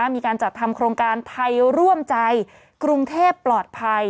มีการจัดทำโครงการไทยร่วมใจกรุงเทพปลอดภัย